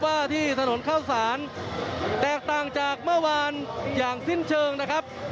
ว่าที่ถนนเข้าสารแตกต่างจากเมื่อวานอย่างสิ้นเชิงนะครับ